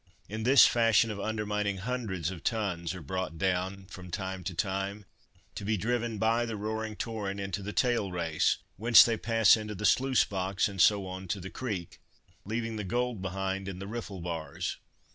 In this fashion of undermining hundreds of tons are brought down from time to time, to be driven by the roaring torrent into the "tail race," whence they pass into the "sluice box," and so on to the creek, leaving the gold behind in the riffle bars.